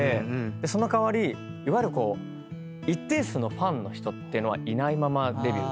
その代わりいわゆる一定数のファンの人っていうのはいないままデビューしたので。